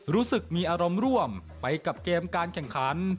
รู้สึกมีอารมณ์ร่วมไปกับเกมการแข่งขัน